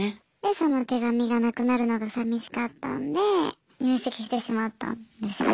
その手紙が無くなるのが寂しかったんで入籍してしまったんですよね。